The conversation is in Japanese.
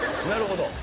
なるほど。